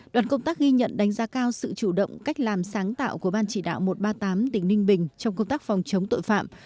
đoàn công tác ghi nhận đánh giá cao sự chủ động cách làm sáng tạo của ban chỉ đạo một trăm ba mươi tám tỉnh ninh bình trong công tác phòng chống tội phạm